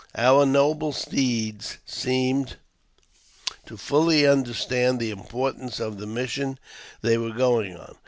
Our noble steeds seemed to fully understand the importance of the mission they were going on.